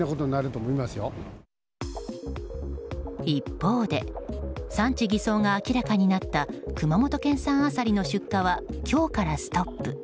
一方で産地偽装が明らかになった熊本県産アサリの出荷は今日からストップ。